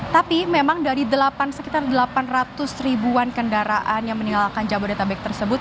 tapi memang dari sekitar delapan ratus ribuan kendaraan yang meninggalkan jabodetabek tersebut